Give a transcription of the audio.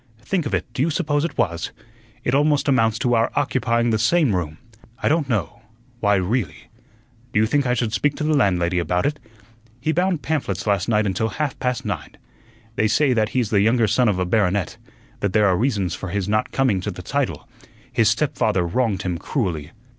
Think of it, do you suppose it was? It almost amounts to our occupying the same room. I don't know why, really do you think I should speak to the landlady about it? He bound pamphlets last night until half past nine. They say that he's the younger son of a baronet; that there are reasons for his not coming to the title; his stepfather wronged him cruelly."